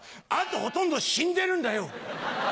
「ほとんど死んでるんだよ！」。